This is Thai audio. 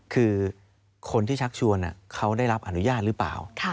คือคนที่ชักชวนเขาได้รับอนุญาตหรือเปล่า